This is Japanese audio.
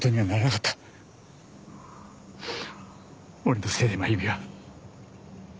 俺のせいで真弓は。